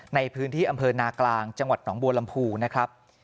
ในพื้นที่อำเภอนากลางจังหวัดหนองบัวลำพูนะครับ